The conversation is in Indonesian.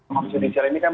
maksudnya ini kan